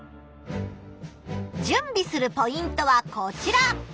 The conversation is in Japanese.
じゅんびするポイントはこちら！